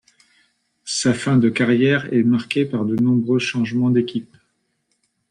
Sa fin de carrière est marquée par de nombreux changements d'équipe.